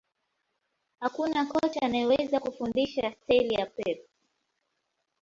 Hakuna kocha anayeweza kufundisha staili ya Pep